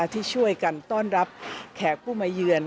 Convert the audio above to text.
ที่ช่วยกันต้อนรับแขกผู้มาเยือน